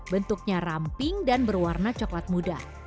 bentuknya ramping dan berwarna coklat muda